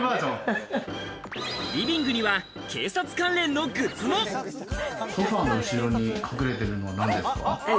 リビングには警察関連のグッソファの後ろに隠れているのなんですか？